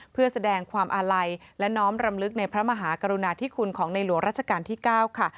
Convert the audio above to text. เพื่อแสดงความอาลัยและน้อมรำลึกในพระมหากรุณาธิคุณของในหลวงราชการที่๙ค่ะ